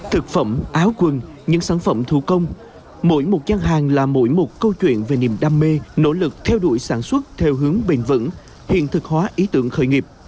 thực phẩm áo quần những sản phẩm thủ công mỗi một gian hàng là mỗi một câu chuyện về niềm đam mê nỗ lực theo đuổi sản xuất theo hướng bền vững hiện thực hóa ý tưởng khởi nghiệp